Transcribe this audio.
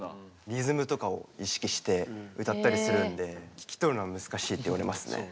リズムとかを意識して歌ったりするんで聞き取るのは難しいって言われますね。